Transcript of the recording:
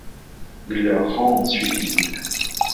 Il leur rend ensuite visite.